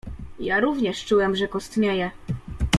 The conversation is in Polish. "Ja również czułem, że kostnieję."